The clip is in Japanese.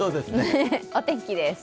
お天気です。